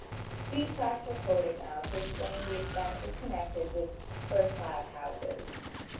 These facts are quoted now to explain the expenses connected with first class houses.